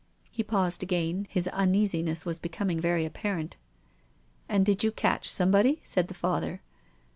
He paused again. His uneasiness was becom ing very apparent. "And you did catch somebody?" said the Father.